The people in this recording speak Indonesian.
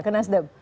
ya ke nasdem